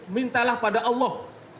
mintalah pada allah